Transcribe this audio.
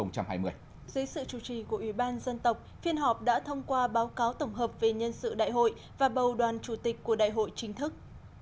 dưới sự chủ trì của ủy ban dân tộc phiên họp đã thông qua báo cáo tổng hợp về nhân sự đại hội và bầu đoàn chủ tịch của đại hội chính thức